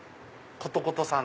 コトコトさん。